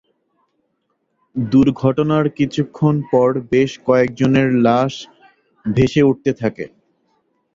দুর্ঘটনার কিছুক্ষণ পর বেশ কয়েকজনের লাশ বেশে উঠতে থাকে।